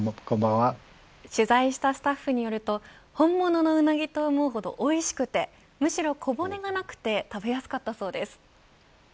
取材したスタッフによると本物のうなぎと思うほどおいしくてむしろ小骨がなくて食べやすかったそうです。